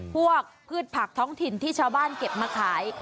พืชผักท้องถิ่นที่ชาวบ้านเก็บมาขาย